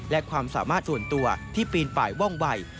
และความสามารถส่วนตัวที่ปีนป่ายว่องวัย